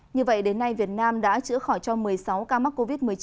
như vậy đến nay việt nam đã chữa khỏi cho một mươi sáu ca mắc covid một mươi chín